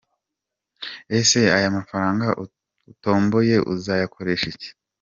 Ese aya mafaranga utomboye uzayakoresha iki?.